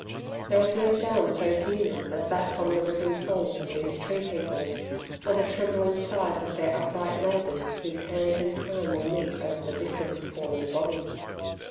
There is no sound so human as that from the riven souls of these tree people, or the trembling sighs of their upright neighbours whose hands in time will meet over the victim's fallen body.